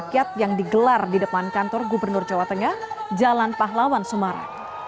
rakyat yang digelar di depan kantor gubernur jawa tengah jalan pahlawan sumara